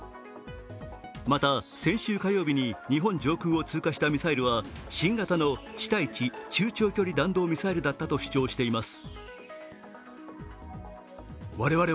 また、先週火曜日に日本上空を通過したミサイルは新型の地対地中長距離弾道ミサイルだったと主張しています。